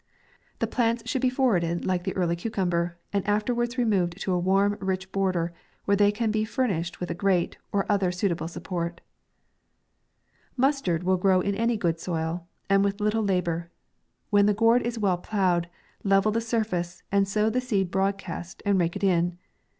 The plants should be forwarded like the early cucumber, and afterwards re moved to a warm, rich border, where they can be furnished with a grate, or other suita ble support, MUSTARD will grow in any good soil, and with little la bour. When the ground is well ploughed, level the surface, and sow the seed broad cast, and rake it in.